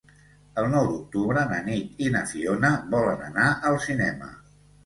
El nou d'octubre na Nit i na Fiona volen anar al cinema.